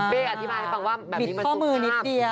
เป้อธิบายให้ฟังว่าแบบนี้มันสุขมากบิดข้อมือนิดเดียว